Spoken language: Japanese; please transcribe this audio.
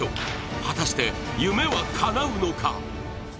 果たして、夢はかなうのか。